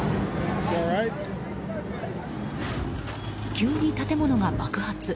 急に建物が爆発。